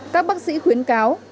các bác sĩ khuyến cáo